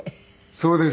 そうですね。